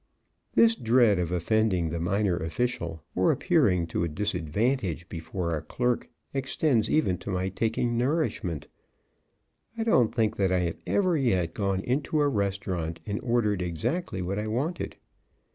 This dread of offending the minor official or appearing to a disadvantage before a clerk extends even to my taking nourishment. I don't think that I have ever yet gone into a restaurant and ordered exactly what I wanted.